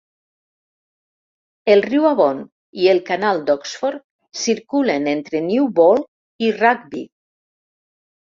El riu Avon i el canal d'Oxford circulen entre Newbold i Rugby.